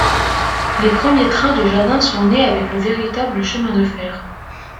Les premiers trains de jardin sont nés avec le véritable chemin de fer.